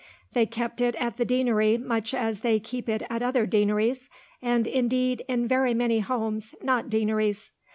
They kept it at the deanery much as they keep it at other deaneries, and, indeed, in very many homes not deaneries.